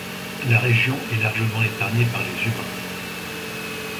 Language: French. La région est largement épargnée par les humains.